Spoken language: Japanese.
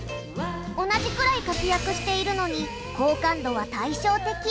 同じくらい活躍しているのに「好感度」は対照的。